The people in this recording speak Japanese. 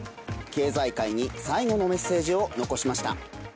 経済界に最後のメッセージを残しました。